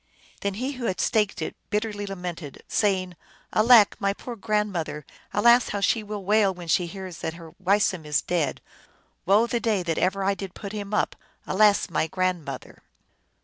Then he who had staked it, bitterly lamented, say ing, " Alack, my poor grandmother ! Alas, how she will wail when she hears that her Weisum is dead ! Woe the day that ever I did put him up ! Alas, my grandmother